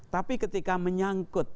tapi ketika menyangkut